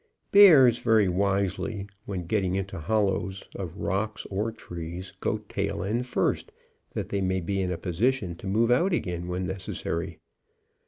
Bears very wisely when getting into hollows of rocks or trees, go tail end first, that they may be in a position to move out again when necessary.